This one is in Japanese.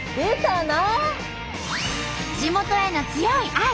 地元への強い愛。